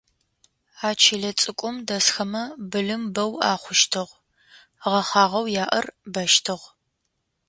А чылэ цӏыкӏум дэсхэмэ былым бэу ахъущтыгъ, гъэхъагъэу яӏэр бэщтыгъ.